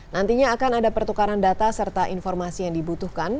nantinya akan ada pertukaran data serta informasi yang dibutuhkan